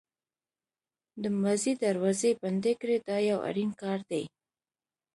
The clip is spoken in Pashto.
د ماضي دروازې بندې کړئ دا یو اړین کار دی.